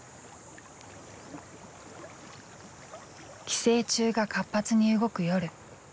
寄生虫が活発に動く夜。